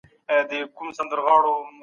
په ټولنه کي بايد د هر چا حق خوندي وي.